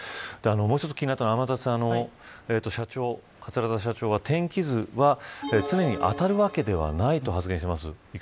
もう一つ気になったのが天気図は常に当たるわけではないと発言しています。